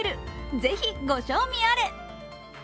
ぜひご賞味あれ。